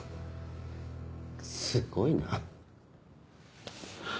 すごいな。